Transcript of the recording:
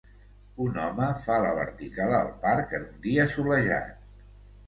Un home fa la vertical al parc en un dia solejat.